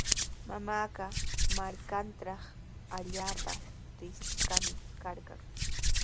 Mamaaqa markantraw allaapa trikishqami karqan.